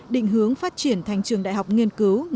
định hướng phát triển thành trường đại học nghiên cứu